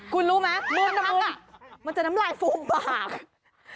คุณรู้ไหมมันจะน้ำลายฟูมิบากมันจะน้ำลายฟูมิ